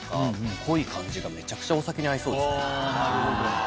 あなるほど。